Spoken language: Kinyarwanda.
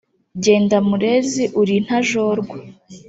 Jyenda murezi uri intajorwa!